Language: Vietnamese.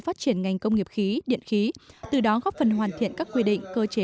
phát triển ngành công nghiệp khí điện khí từ đó góp phần hoàn thiện các quy định cơ chế